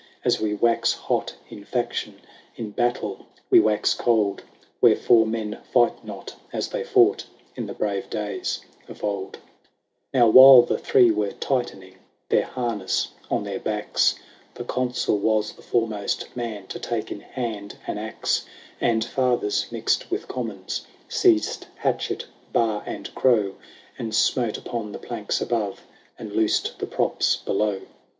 As we wax hot in faction, In battle we wax cold : Wherefore men fight not as they fought In the brave days of old. 60 LAYS OF ANCIENT ROME. XXXIV. Now while the Three were tightening Their harness on their backs. The Consul was the foremost man To take in hand an axe : And Fathers mixed with Commons Seized hatchet, bar, and crow, And smote upon the planks above. And loosed the props below.